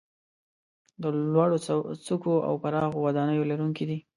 د لوړو څوکو او پراخو وادیو لرونکي دي.